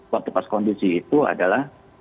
waktu pas kondisi itu adalah